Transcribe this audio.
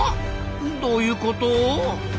どういうこと？